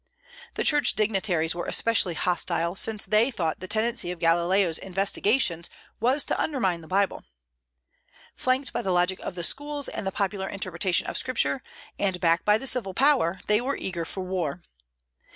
The church dignitaries were especially hostile, since they thought the tendency of Galileo's investigations was to undermine the Bible. Flanked by the logic of the schools and the popular interpretation of Scripture, and backed by the civil power, they were eager for war.